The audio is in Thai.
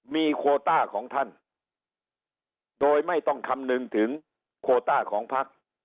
มีโคต้าของท่านโดยไม่ต้องคำนึงถึงโคต้าของพัก